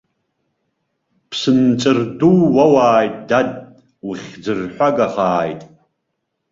Ԥсынҵыр ду уоуааит, дад, ухьӡырҳәагахааит!